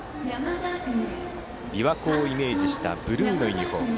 琵琶湖をイメージしたブルーのユニフォーム。